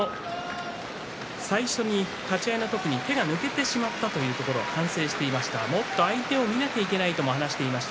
最初に立ち合いの時に手が抜けてしまったというところを反省していました。